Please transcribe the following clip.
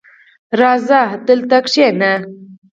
ارڅه دولته کينه.